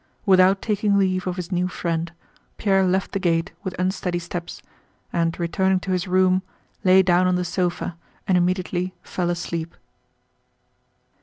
Without taking leave of his new friend, Pierre left the gate with unsteady steps and returning to his room lay down on the sofa and immediately fell asleep.